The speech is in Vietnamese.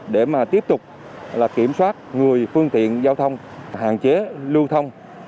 để mà tiếp tục kiểm soát người phương tiện giao thông hạn chế lưu thông